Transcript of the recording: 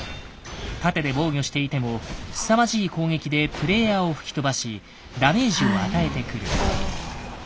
盾で防御していてもすさまじい攻撃でプレイヤーを吹き飛ばしダメージを与えてくる。